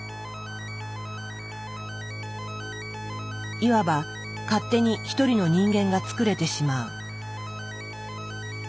いわば勝手に一人の人間が作れてしまう。